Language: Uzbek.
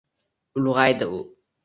Ulg’aydi u